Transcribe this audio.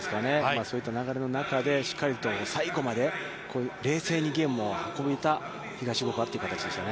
そういった流れの中でしっかりと最後まで冷静にゲームを運べた東福岡という形でしたね。